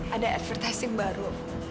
ada advertising baru